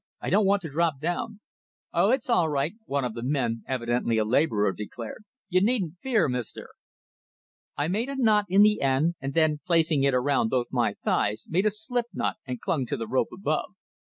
"I don't want to drop down!" "No, it's all right!" one of the men evidently a labourer declared. "You needn't fear, mister." I made a knot in the end, then, placing it around both my thighs, made a slip knot and clung to the rope above.